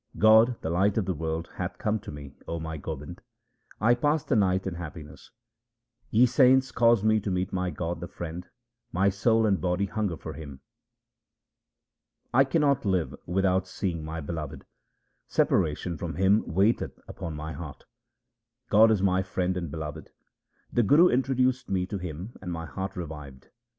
God, the life of the world, hath come to me, O my Gobind ; I pass the night in happiness. Ye saints, cause me to meet my God, the Friend ; my soul and body hunger for Him. I cannot live without seeing my Beloved ; separation from Him weigheth upon my heart. God is my Friend and Beloved ; the Guru introduced me to Him and my heart revived.